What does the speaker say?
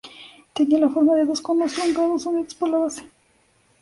Tenía la forma de dos conos truncados unidos por la base.